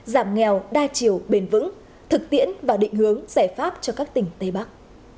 giảm nghèo đa chiều bền vững thực tiễn và định hướng giải pháp cho các tỉnh tây bắc